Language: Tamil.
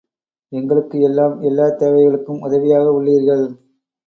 எங்களுக்கு எல்லாம் எல்லாத் தேவைகளுக்கும் உதவியாக உள்ளீர்கள்.